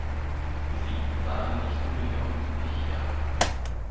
Sie waren nicht in New York, ich ja.